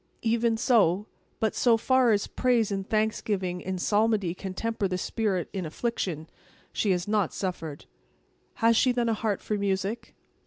"Even so. But so far as praise and thanksgiving in psalmody can temper the spirit in affliction, she has not suffered." "Has she then a heart for music?"